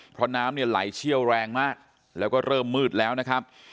เพราะน้ำเนี่ยไหลเชี่ยวแรงมากแล้วก็เริ่มมืดแล้วนะครับ